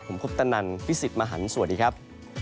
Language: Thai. ผมคุปตนันพี่สิทธิ์มหันฯสวัสดีครับ